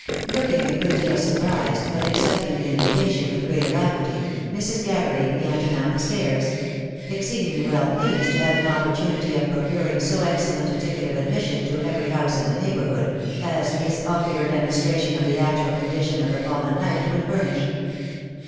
Looking a good deal surprised, but accepting the invitation with, great alacrity, Mrs. Gabberly began to mount the stairs; exceedingly well pleased to have an opportunity of procuring so excellent a ticket of admission to every house in the neighbourhood, as this ocular demonstration of the actual condition of the fallen knight would fur nish.